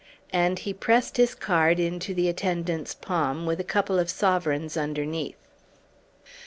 And he pressed his card into the attendant's palm, with a couple of sovereigns underneath.